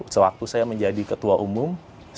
sewaktu saya menjadi ketua umum saya lihat